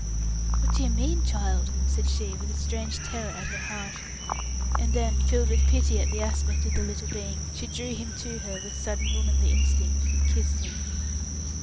"What do you mean, child?" said she, with a strange terror at her heart; and then, filled with pity at the aspect of the little being, she drew him to her, with sudden womanly instinct, and kissed him.